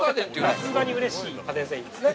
◆夏場にうれしい家電製品ですね。